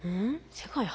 世界初。